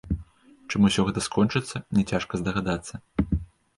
Чым усё гэта скончыцца, не цяжка здагадацца.